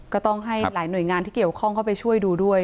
ก็ต้องให้หลายหน่วยงานที่เกี่ยวข้องเข้าไปช่วยดูด้วย